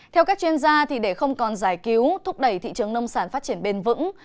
theo các chuyên gia để không còn giải cứu thúc đẩy thị trường nông sản phát triển bền vững